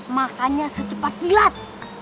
makannya secepat jilat